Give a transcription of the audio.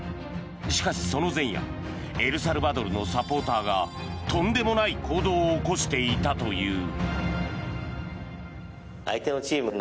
しかし、その前夜エルサルバドルのサポーターがとんでもない行動を起こしていたという。